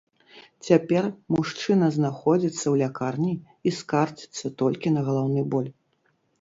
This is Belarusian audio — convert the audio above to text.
Цяпер мужчына знаходзіцца ў лякарні і скардзіцца толькі на галаўны боль.